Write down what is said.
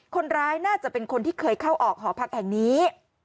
คนร้ายน่าจะเป็นคนที่เคยเข้าออกหอพักแห่งนี้